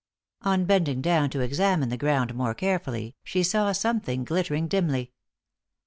On bending down to examine the ground more carefully, she saw something glittering dimly.